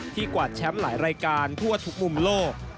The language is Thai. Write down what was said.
กวาดแชมป์หลายรายการทั่วทุกมุมโลก